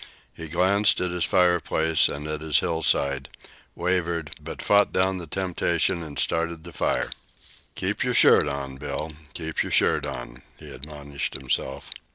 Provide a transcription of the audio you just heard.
He glanced at his fireplace and at his hillside, wavered, but fought down the temptation and started the fire. "Keep yer shirt on, Bill; keep yer shirt on," he admonished himself.